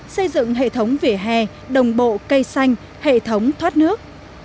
xây dựng hệ thống vỉa hè đồng bộ cây xanh hệ thống thoát nước